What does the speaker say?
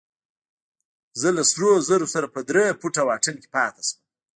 زه له سرو زرو سره په درې فوټه واټن کې پاتې شوم.